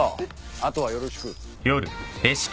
あとはよろしく。